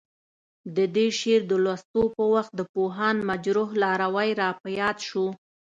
د دې شعر د لوستو په وخت د پوهاند مجروح لاروی راپه یاد شو.